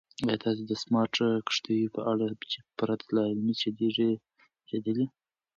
ایا تاسو د سمارټ کښتیو په اړه چې پرته له عملې چلیږي اورېدلي؟